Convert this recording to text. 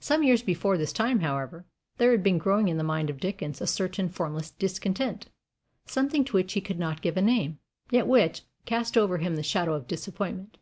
Some years before this time, however, there had been growing in the mind of Dickens a certain formless discontent something to which he could not give a name, yet which, cast over him the shadow of disappointment.